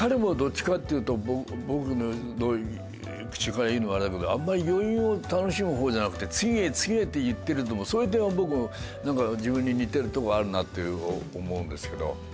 僕の口から言うのもあれだけどあまり余韻を楽しむ方じゃなくて次へ次へっていってるのもそれで僕なんか自分に似てるとこあるなって思うんですけど。